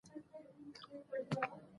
که ماشوم بېلتون نه مني، ورو ورو تمرین ورکړئ.